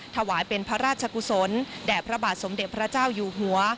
ถวายเป็นพระราชกุศลแด่พระบาทสมเด็จพระเจ้าอยู่หัว